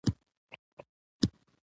زه غواړم چې یو ښکلی موټر رانیسم.